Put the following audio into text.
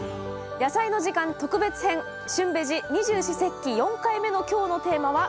「やさいの時間特別編旬ベジ二十四節気」４回目の今日のテーマは。